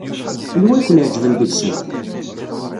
Anwa ay ken-iɛejben deg-sen?